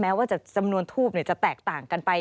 ว่าจำนวนทูบจะแตกต่างกันไป